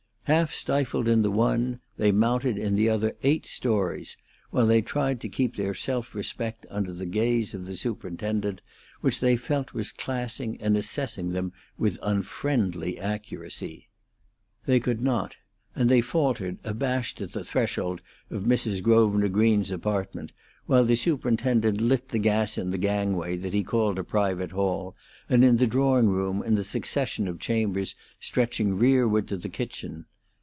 Half stifled in the one, they mounted in the other eight stories, while they tried to keep their self respect under the gaze of the superintendent, which they felt was classing and assessing them with unfriendly accuracy. They could not, and they faltered abashed at the threshold of Mrs. Grosvenor Green's apartment, while the superintendent lit the gas in the gangway that he called a private hall, and in the drawing room and the succession of chambers stretching rearward to the kitchen.